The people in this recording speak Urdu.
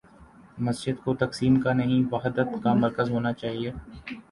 مسجد کو تقسیم کا نہیں، وحدت کا مرکز ہو نا چاہیے۔